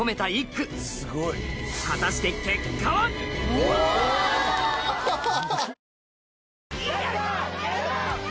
うわ！ハハハ。